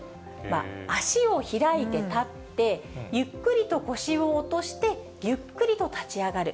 足を開いて立って、ゆっくりと腰を落として、ゆっくりと立ち上がる。